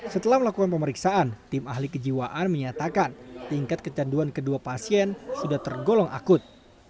setelah melakukan pemeriksaan tim ahli kejiwaan menyatakan tingkat kecanduan kedua pasien sudah tergolong akut